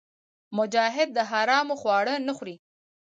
مجاهد د حرامو خواړه نه خوري.